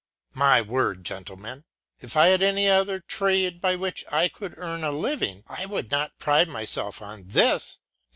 "My word, gentlemen! had I any other trade by which I could earn a living I would not pride myself on this.